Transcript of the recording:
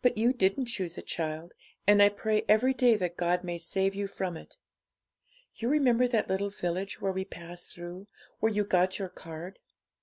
But you didn't choose it, child; and I pray every day that God may save you from it. You remember that little village where we passed through, where you got your card?'